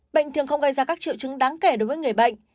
bệnh thường không gây ra các triệu chứng đáng kể đối với người bệnh